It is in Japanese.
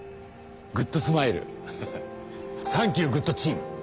グッドスマイルサンキューグッドチーム。